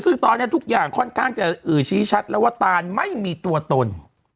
ซึ่งตอนนี้ทุกอย่างค่อนข้างจะชี้ชัดแล้วว่าตานไม่มีตัวตน